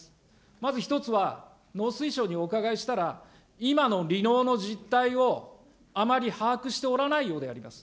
まず一つは農水省にお伺いしたら、今の離農の実態をあまり把握しておらないようであります。